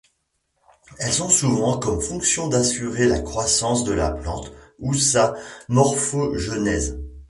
Elles ont souvent comme fonction d'assurer la croissance de la plante ou sa morphogenèse.